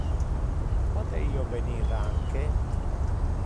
Pote io venir anque?